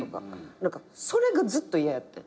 それがずっと嫌やってん。